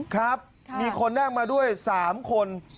ครับมีคนนั่งมาด้วย๓คน